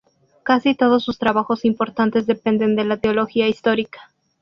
Casi todos sus trabajos importantes dependen de la teología histórica.